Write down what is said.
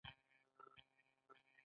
د اغوستلو توکي تر خپلې اندازې زیات وي